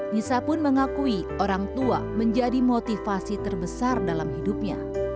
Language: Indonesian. nisa pun mengakui orang tua menjadi motivasi terbesar dalam hidupnya